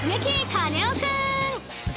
カネオくん！